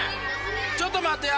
ちょっと待ってや。